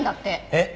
えっ？